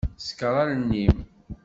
Ṣekkeṛ allen-im.